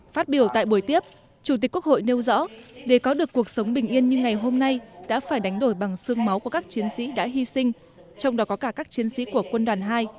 phát biểu tại buổi tiếp chủ tịch quốc hội nêu rõ để có được cuộc sống bình yên như ngày hôm nay đã phải đánh đổi bằng xương máu của các chiến sĩ đã hy sinh trong đó có cả các chiến sĩ của quân đoàn hai